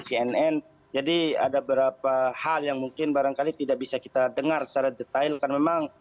cnn jadi ada beberapa hal yang mungkin barangkali tidak bisa kita dengar secara detail karena memang